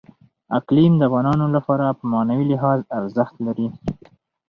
اقلیم د افغانانو لپاره په معنوي لحاظ ارزښت لري.